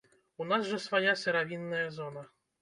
У нас жа свая сыравінная зона!